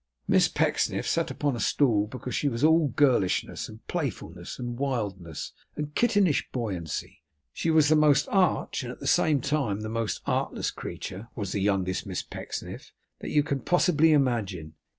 Miss Pecksniff sat upon a stool because she was all girlishness, and playfulness, and wildness, and kittenish buoyancy. She was the most arch and at the same time the most artless creature, was the youngest Miss Pecksniff, that you can possibly imagine.